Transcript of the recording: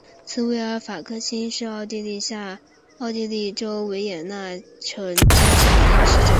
茨韦尔法克兴是奥地利下奥地利州维也纳城郊县的一个市镇。